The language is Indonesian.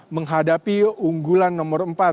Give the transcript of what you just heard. menghadapi unggulan nomor empat